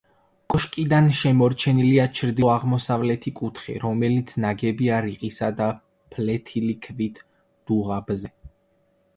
კოშკიდან შემორჩენილია ჩრდილო-აღმოსავლეთი კუთხე, რომელიც ნაგებია რიყისა და ფლეთილი ქვით დუღაბზე.